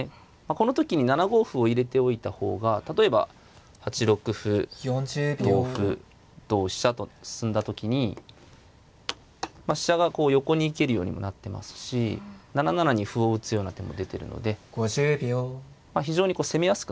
この時に７五歩を入れておいた方が例えば８六歩同歩同飛車と進んだ時に飛車がこう横に行けるようにもなってますし７七に歩を打つような手も出てるので非常に攻めやすくなるという。